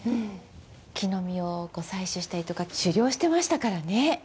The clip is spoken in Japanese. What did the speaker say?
木の実を採取したりとか狩猟をしてましたからね。